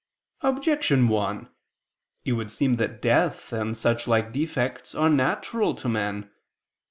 Objection 1: It would seem that death and such like defects are natural to man.